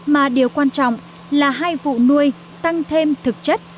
mà điều quan trọng là hai vụ nuôi tăng thêm thực chất